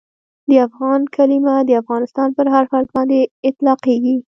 د افغان کلیمه د افغانستان پر هر فرد باندي اطلاقیږي.